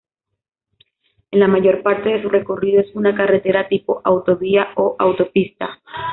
En la mayor parte de su recorrido es una carretera tipo autovía o Autopista.